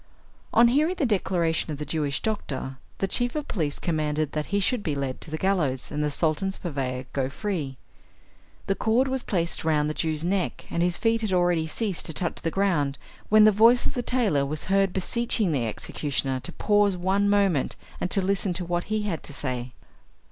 On hearing the declaration of the Jewish doctor, the chief of police commanded that he should be led to the gallows, and the Sultan's purveyor go free. The cord was placed round the Jew's neck, and his feet had already ceased to touch the ground when the voice of the tailor was heard beseeching the executioner to pause one moment and to listen to what he had to say.